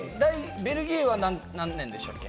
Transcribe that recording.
ベルギーは何年でしたっけ？